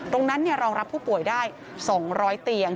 รองรับผู้ป่วยได้๒๐๐เตียง